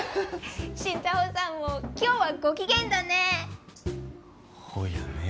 新太郎さんも今日はご機嫌だねほやね・